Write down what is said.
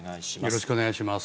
よろしくお願いします。